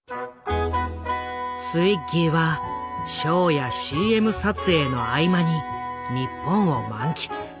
ツイッギーはショーやＣＭ撮影の合間に日本を満喫。